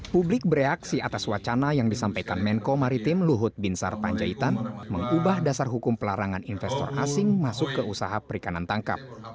publik bereaksi atas wacana yang disampaikan menko maritim luhut binsar panjaitan mengubah dasar hukum pelarangan investor asing masuk ke usaha perikanan tangkap